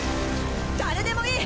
誰でもいい！